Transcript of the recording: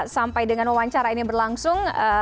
sampai dengan wawancara ini berlangsung